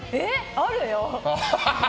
あるよ。